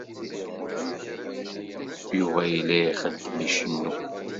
Yuba yella ixeddem, icennu.